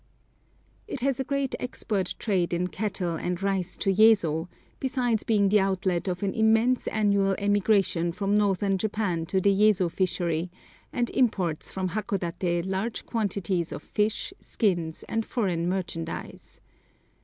It has a great export trade in cattle and rice to Yezo, besides being the outlet of an immense annual emigration from northern Japan to the Yezo fishery, and imports from Hakodaté large quantities of fish, skins, and foreign merchandise.